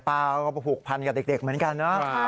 เราก็ผูกพันกับเด็กเหมือนกันเนอะ